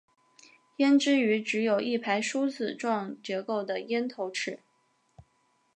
胭脂鱼只有一排梳子状结构的咽头齿。